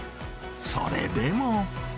それでも。